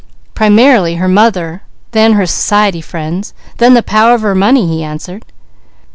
"Primarily, her mother, then her society friends, then the power of her money," he answered.